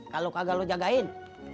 kalau kagak lu jagain